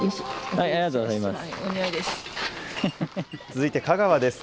続いて香川です。